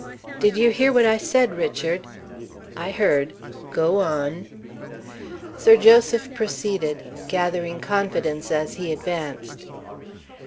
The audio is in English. "Did you hear what I said, Richard?" "I heard. Go on." Sir Joseph proceeded, gathering confidence as he advanced.